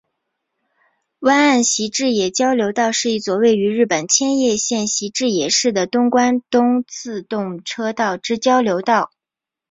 湾岸习志野交流道是一座位于日本千叶县习志野市的东关东自动车道之交流道。